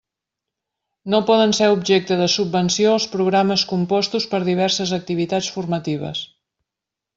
No poden ser objecte de subvenció els programes compostos per diverses activitats formatives.